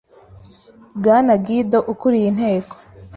Bwana Guaidó ukuriye inteko